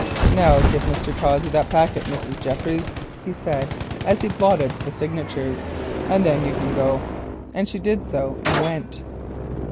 "Now give Mr. Cossey the packet, Mrs. Jeffries," he said, as he blotted the signatures, "and you can go." She did so and went.